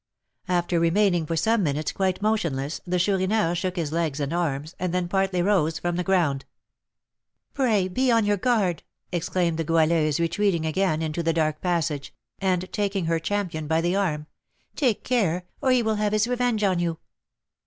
After remaining for some minutes quite motionless, the Chourineur shook his legs and arms, and then partly rose from the ground. "Pray be on your guard!" exclaimed the Goualeuse, retreating again into the dark passage, and taking her champion by the arm; "take care, or he will have his revenge on you."